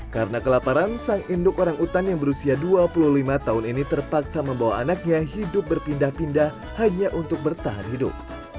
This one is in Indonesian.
karena kelaparan sang induk orang utan yang berusia dua puluh lima tahun ini terpaksa membawa anaknya hidup berpindah pindah hanya untuk bertahan hidup